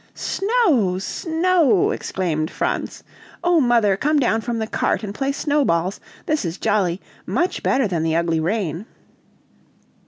"Snow! snow!" exclaimed Franz. "Oh, mother, come down from the cart and play snowballs. This is jolly; much better than the ugly rain."